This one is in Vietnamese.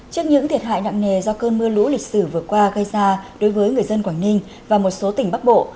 trước những thiệt hại nặng nề do cơn mưa lũ lịch sử vừa qua gây ra đối với người dân quảng ninh và một số tỉnh bắc bộ